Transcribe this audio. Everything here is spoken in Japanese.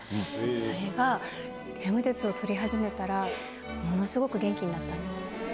それがヘム鉄をとり始めたら、ものすごく元気になったんです。